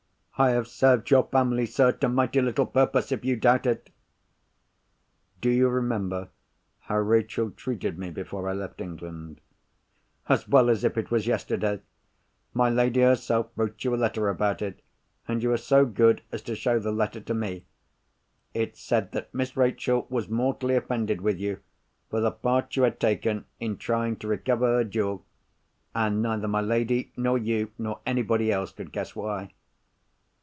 "I have served your family, sir, to mighty little purpose, if you doubt it!" "Do you remember how Rachel treated me, before I left England?" "As well as if it was yesterday! My lady herself wrote you a letter about it; and you were so good as to show the letter to me. It said that Miss Rachel was mortally offended with you, for the part you had taken in trying to recover her jewel. And neither my lady, nor you, nor anybody else could guess why.